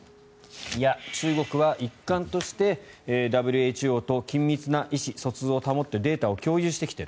いや、中国は一貫してＷＨＯと緊密な意思疎通を保ってデータを共有してきている。